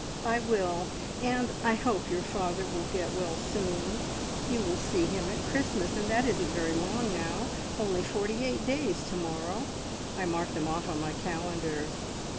"I will! And I hope your father will get well soon. You will see him at Christmas, and that isn't very long now; only forty eight days to morrow. I mark them off on my calendar."